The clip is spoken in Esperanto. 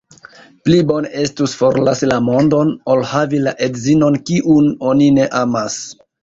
Pli bone estus forlasi la mondon, ol havi la edzon, kiun oni ne amas.